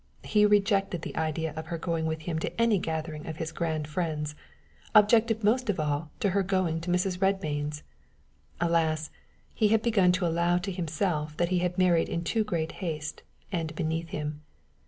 He rejected the idea of her going with him to any gathering of his grand friends objected most of all to her going to Mrs. Redmain's. Alas! he had begun to allow to himself that he had married in too great haste and beneath him.